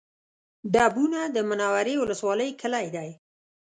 ډبونه د منورې ولسوالۍ کلی دی